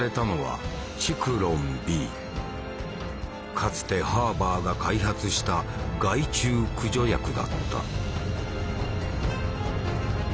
かつてハーバーが開発した害虫駆除薬だった。